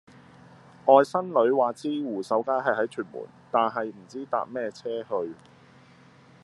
外甥女話知湖秀街係喺屯門但係唔知搭咩野車去